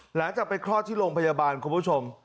หลังจากไปคลอดที่โรงพยาบาลคุณผู้ชม